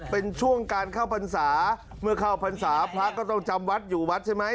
เป็นช่วงการเข้าพรรษาเมื่อเข้าพรรษาพระก็ต้องจำวัดอยู่วัดใช่ไหม